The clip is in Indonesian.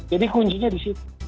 jadi kuncinya di situ